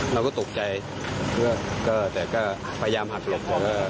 เราก็ตกใจแต่ก็พยายามหักหลบ